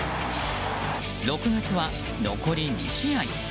６月は残り２試合。